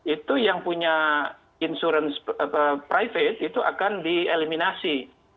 itu yang punya insurance private itu akan dieliminasi